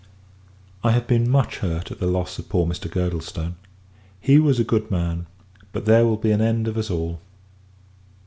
I have been much hurt at the loss of poor Mr. Girdlestone! He was a good man; but there will be an end of us all.